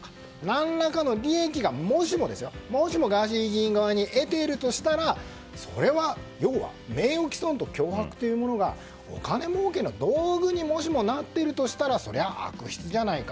何らかの利益がもしもガーシー議員側に得ているとしたらそれは、要は名誉毀損と脅迫というものがお金もうけの道具にもしもなっているとしたらそれは悪質じゃないか。